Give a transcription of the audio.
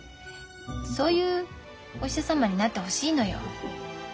そういうお医者様になってほしいのよ。